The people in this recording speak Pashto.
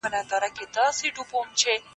آیا لومړنۍ ښځه د تنور په څیر خطرناکه ده؟